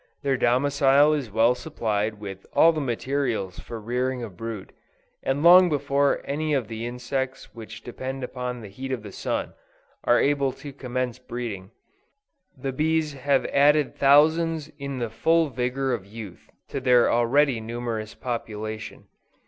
Their domicile is well supplied with all the materials for the rearing of brood, and long before any of the insects which depend upon the heat of the sun, are able to commence breeding, the bees have added thousands in the full vigor of youth to their already numerous population.